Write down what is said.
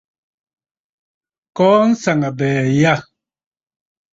Kɔɔ nsaŋabɛ̀ɛ yâ.